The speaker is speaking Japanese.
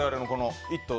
「イット！」